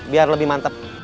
biar lebih mantep